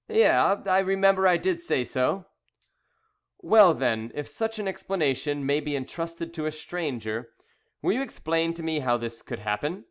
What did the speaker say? '" "Yes, I remember I did say so." "Well, then, if such an explanation may be entrusted to a stranger, will you explain to me how this could happen?"